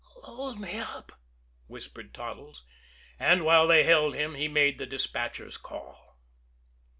"Hold me up," whispered Toddles and, while they held him, he made the despatcher's call.